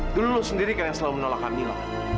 dul lo sendiri kan yang selalu menolak kamila